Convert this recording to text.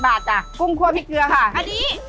๗๐บาทอะกุ้งคั่วพริกเกลือค่ะ๗๐บาทเท่าไหร่กันค่ะ